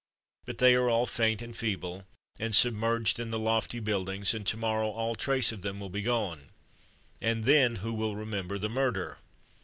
But they are all faint and feeble and submerged in the lofty buildings, and to morrow all trace of them will be gone. And then who will remember the murder?